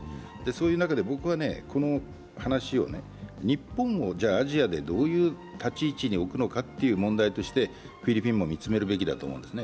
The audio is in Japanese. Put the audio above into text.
そういう中で、この話を日本をアジアでどういう立ち位置に置くのかという問題としてフィリピンも見つめるべきだと思うんです。